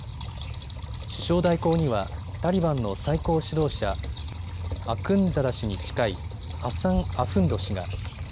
首相代行にはタリバンの最高指導者、アクンザダ師に近いハサン・アフンド師が。